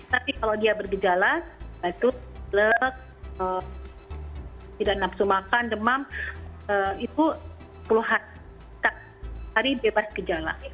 tapi kalau dia bergejala batuk lek tidak nafsu makan demam itu sepuluh hari bebas gejala